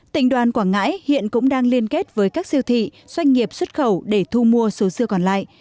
tỉnh đoàn quảng ngãi hiện cũng đang liên kết với các siêu thị doanh nghiệp xuất khẩu để thu mua số dư còn lại